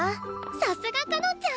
さすがかのんちゃん！